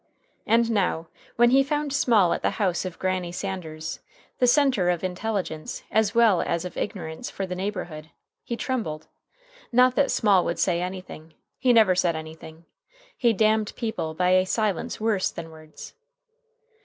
And now, when he found Small at the house of Granny Sanders, the center of intelligence as well as of ignorance for the neighborhood, he trembled. Not that Small would say anything. He never said anything. He damned people by a silence worse than words.